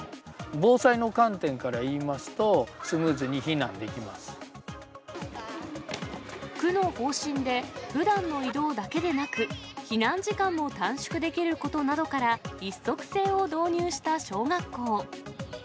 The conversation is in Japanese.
防災の観点からいいますと、区の方針で、ふだんの移動だけでなく、避難時間も短縮できることなどから、一足制を導入した小学校。